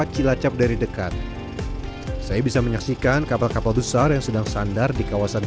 cilacap dari dekat saya bisa menyaksikan kapal kapal besar yang sedang sandar di kawasan